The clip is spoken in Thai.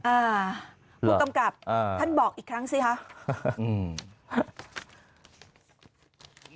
อ่าผู้กำกับอ่าท่านบอกอีกครั้งสิคะอืม